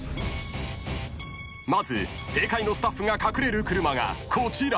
［まず正解のスタッフが隠れる車がこちら！］